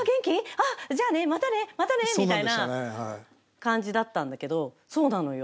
ああ、じゃあね、またね、またねみたいな感じだったんだけど、そうなのよ。